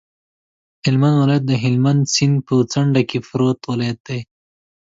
هلمند ولایت د هلمند سیند په څنډه کې پروت ولایت دی.